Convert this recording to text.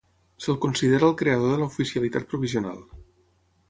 Se'l considera el creador de l'oficialitat provisional.